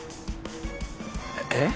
えっ？